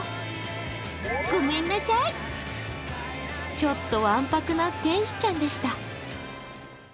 ちょっとわんぱくな天使ちゃんでした。